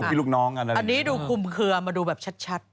อันนี้ดูคุมเคลือมาดูแบบชัด